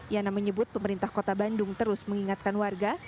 yana menyebut pemerintah kota bandung terus mengingatkan warga